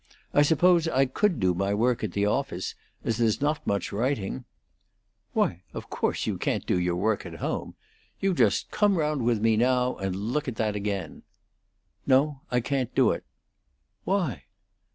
"I suppose I could do my work at the office, as there's not much writing " "Why, of course you can't do your work at home. You just come round with me now, and look at that again." "No; I can't do it." "Why?"